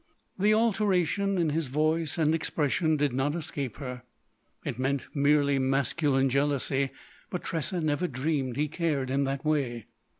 The alteration in his voice and expression did not escape her. It meant merely masculine jealousy, but Tressa never dreamed he cared in that way.